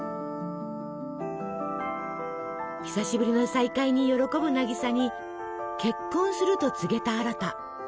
久しぶりの再会に喜ぶ渚に結婚すると告げたアラタ。